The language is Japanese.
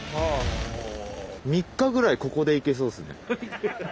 ３日ぐらいここでいけそうっすね。